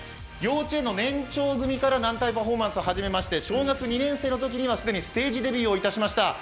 幼稚園の年長組から軟体パフォーマンスを始めまして小学２年生のときには既にステージデビューいたしました。